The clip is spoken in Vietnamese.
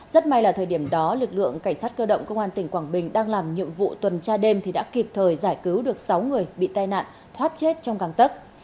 rất may là thời điểm đó lực lượng cảnh sát cơ động công an tỉnh quảng bình đang làm nhiệm vụ tuần tra đêm thì đã kịp thời giải cứu được sáu người bị tai nạn thoát chết trong căng tấc